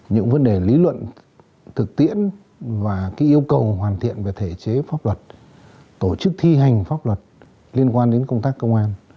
những vấn đề lý luận thực tiễn và yêu cầu hoàn thiện về thể chế pháp luật tổ chức thi hành pháp luật liên quan đến công tác công an